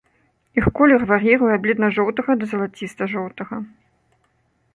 Іх колер вар'іруе ад бледна-жоўтага да залаціста-жоўтага.